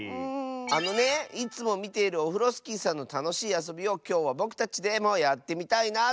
あのねいつもみているオフロスキーさんのたのしいあそびをきょうはぼくたちでもやってみたいなあとおもって。